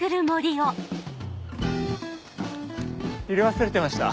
入れ忘れてました。